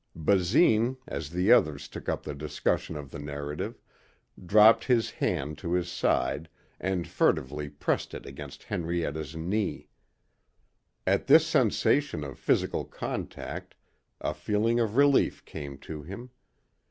Basine, as the others took up the discussion of the narrative, dropped his hand to his side and furtively pressed it against Henrietta's knee. At this sensation of physical contact a feeling of relief came to him.